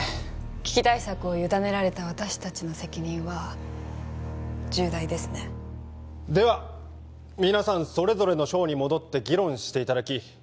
危機対策を委ねられた私達の責任は重大ですねでは皆さんそれぞれの省に戻って議論していただき